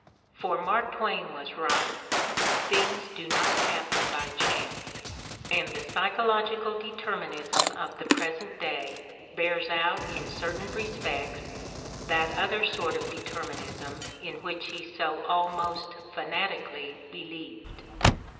For Mark Twain was right — things do not happen by chance, and the psychological determinism of the present day bears out in certain respects that other sort of determinism in which he so almost fanatically believed.